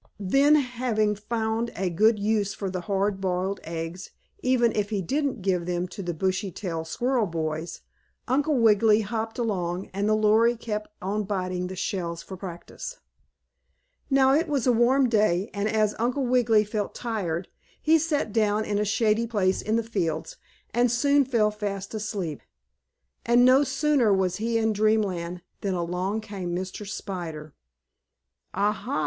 Then, having found a good use for the hard boiled eggs, even if he didn't give them to the Bushytail squirrel boys, Uncle Wiggily hopped along, and the Lory kept on biting the shells for practice. Now, it was a warm day, and, as Uncle Wiggily felt tired, he sat down in a shady place in the fields, and soon fell fast asleep. And, no sooner was he in Dreamland than along came Mr. Spider. "Ah, ha!"